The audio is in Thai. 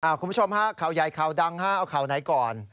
คุณผู้ชมฮะข่าวใหญ่ข่าวดังฮะเอาข่าวไหนก่อน